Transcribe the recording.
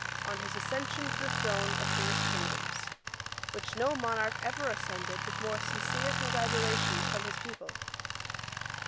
on his Accession to the Throne of these Kingdoms_,[dagger] which no monarch ever ascended with more sincere congratulations from his people.